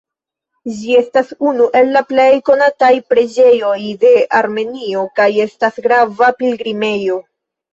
Ĝi estas unu el la plej konataj preĝejoj de Armenio kaj estas grava pilgrimejo.